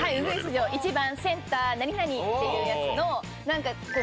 「１番センター何々」っていうやつの。